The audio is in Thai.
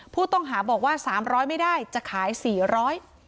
ผู้ต้องหาบอกว่าสามร้อยไม่ได้จะขายสี่ร้อย